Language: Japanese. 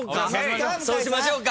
そうしましょうか。